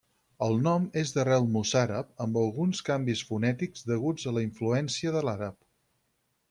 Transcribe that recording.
El nom és d'arrel mossàrab, amb alguns canvis fonètics deguts a la influència de l'àrab.